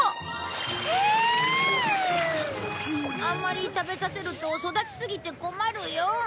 あんまり食べさせると育ちすぎて困るよ。